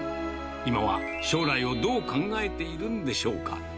今は将来をどう考えているんでしょうか。